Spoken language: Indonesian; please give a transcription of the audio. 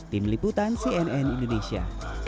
tim liputan cnn indonesia